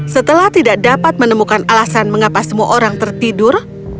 setelah tidak dapat menemukan alasan mengapa semua orang tertidur